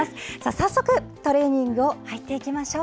早速、トレーニングに入っていきましょう。